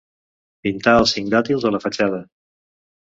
Pintar els cinc dàtils a la fatxada.